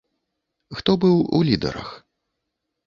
Хто быў ў лідарах?